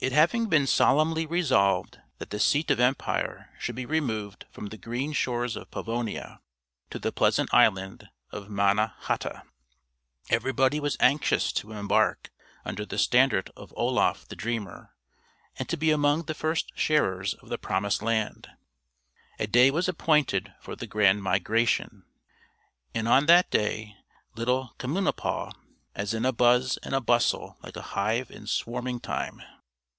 It having been solemnly resolved that the seat of empire should be removed from the green shores of Pavonia to the pleasant island of Manna hata, everybody was anxious to embark under the standard of Oloffe the Dreamer, and to be among the first sharers of the promised land. A day was appointed for the grand migration, and on that day little Communipaw as in a buzz and a bustle like a hive in swarming time.